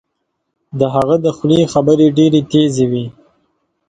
د هغه د خولې خبرې ډیرې تېزې وې